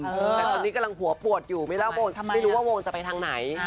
แต่ตอนนี้กำลังหัวปวดอยู่ไม่เล่าไม่รู้ว่าวงจะไปทางไหน